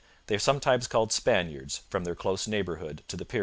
They are sometimes called Spaniards, from their close neighbourhood to the Pyrenees.